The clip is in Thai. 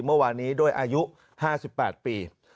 เมื่อวานนี้ด้วยอายุ๕๘ปี